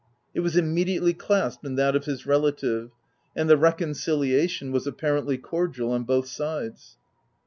It was immediately clasped in that of his relative, and the reconciliation was apparently cordial on both sides.